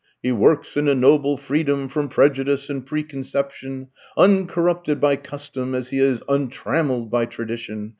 He works in a noble freedom from prejudice and preconception, uncorrupted by custom as he is untrammelled by tradition.